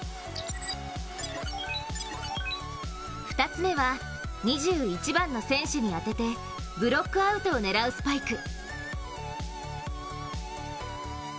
２つ目は、２１番の選手に当ててブロックアウトを狙うスパイク。